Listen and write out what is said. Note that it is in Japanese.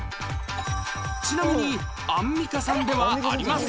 ちなみにアンミカさんではありません